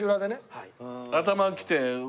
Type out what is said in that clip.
はい。